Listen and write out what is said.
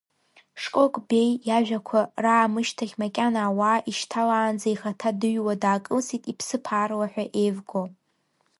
Шкок Беи иажәақәа раамышьҭахь макьана ауаа ишьҭалаанӡа ихаҭа дыҩуа даакылсит, иԥсыԥ аарлаҳәа еивго.